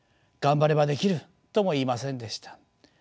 「頑張ればできる！」とも言いませんでした。